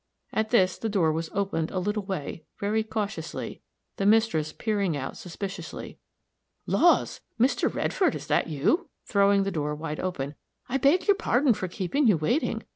At this the door was opened a little way, very cautiously, the mistress peering out suspiciously. "Laws! Mr. Redfield, is it you?" throwing the door wide open. "I beg your pardon for keeping you waiting.